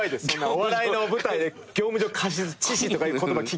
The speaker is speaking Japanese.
お笑いの舞台で業務上過失致死とかいう言葉聞きたくない。